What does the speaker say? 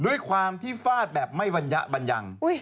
ด้วยความที่ฟาดแบบไม่บรรยะบัญญัง